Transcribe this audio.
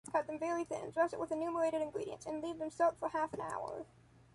Cut them very thin, dress it with enumerated ingredients and leave them soak for half an hour.